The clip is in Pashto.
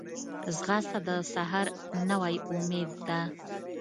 ځغاسته د سحر نوی امید ده